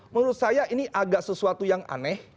menurut saya ini agak sesuatu yang aneh